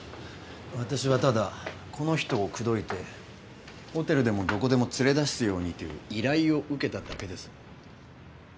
私はただこの人を口説いてホテルでもどこでも連れ出すようにという依頼を受けただけです。